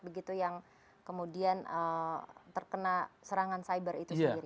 begitu yang kemudian terkena serangan cyber itu sendiri